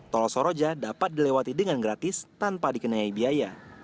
tol soroja dapat dilewati dengan gratis tanpa dikenai biaya